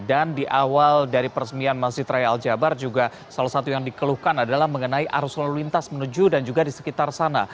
dan di awal dari persemian masjid raya al jabar juga salah satu yang dikeluhkan adalah mengenai arus lalu lintas menuju dan juga di sekitar sana